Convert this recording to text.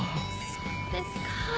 そうですかあ。